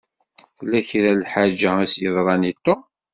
Tella kra lḥeǧa i s-yeḍṛan i Tom.